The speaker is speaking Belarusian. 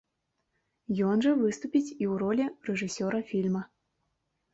Ён жа выступіць і ў ролі рэжысёра фільма.